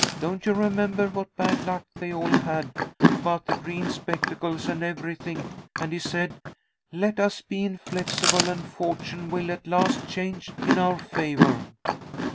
Don't you remember what bad luck they all had, about the green spectacles and everything, and he said, '_Let us be inflexible, and fortune will at last change in our favour!